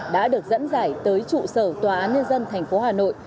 đã được dẫn dải tới trụ sở tòa án nhân dân tp hà nội